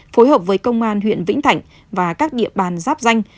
phối hợp với công an huyện vĩnh thạnh và các địa bàn giáp danh